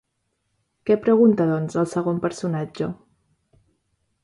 Què pregunta, doncs, el segon personatge?